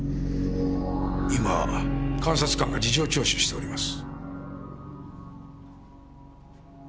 今監察官が事情聴取しております。